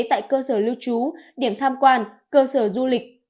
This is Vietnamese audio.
tại cơ sở lưu trú điểm tham quan cơ sở du lịch